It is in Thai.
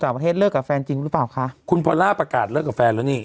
ประเทศเลิกกับแฟนจริงหรือเปล่าคะคุณพอล่าประกาศเลิกกับแฟนแล้วนี่